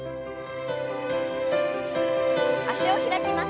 脚を開きます。